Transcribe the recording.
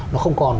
nó không còn